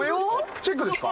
チェックですか？